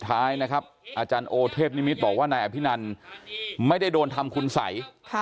อาจารย์โอเทพนิมิตรบอกว่านายอภินันต์ไม่ได้โดนทำคุณสัย